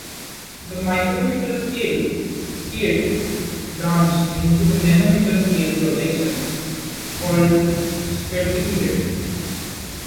The micrometer-scale setae branch into nanometer-scale projections called spatulae.